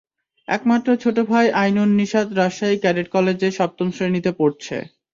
একমাত্র ছোট ভাই আইনুন নিশাত রাজশাহী ক্যাডেট কলেজে সপ্তম শ্রেণিতে পড়ছে।